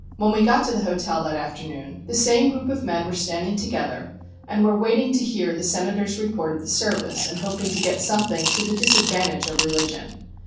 When we got to the hotel that afternoon the same group of men were standing together, and were waiting to hear the Senator's report of the service, and hoping to get something to the disadvantage of religion.